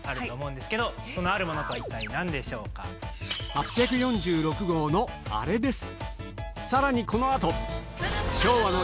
８４６号のあれです